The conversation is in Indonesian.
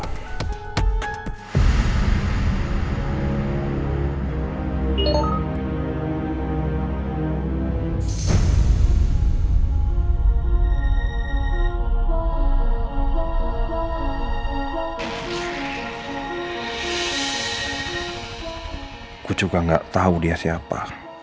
aku juga gak tau dia siapa